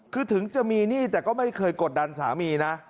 คือถึงจะมีหนี้แต่ก็ไม่เคยกดดันสามีนะ